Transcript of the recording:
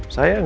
saya gak tahu